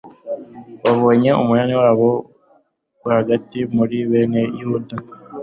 babonye umunani wabo rwagati muri bene yuda